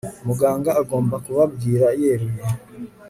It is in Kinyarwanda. muganga agomba kubabwira yeruye